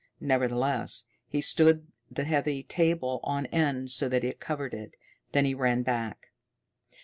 Nevertheless, he stood the heavy table on end so that it covered it. Then he ran back.